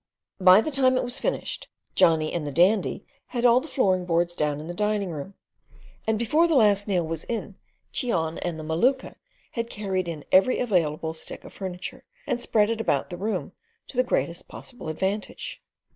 By the time it was finished, Johnny and the Dandy had all the flooring boards down in the dining room, and before the last nail was in, Cheon and the Maluka had carried in every available stick of furniture, and spread it about the room to the greatest possible advantage.